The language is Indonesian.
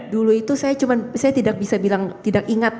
dulu itu saya tidak bisa bilang tidak ingat